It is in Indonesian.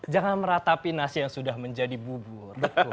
jangan meratapi nasi yang sudah menjadi bubur